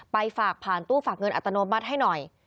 ไปฝากผ่านตู้ฝากเงินอัตโนมัติให้หน่อย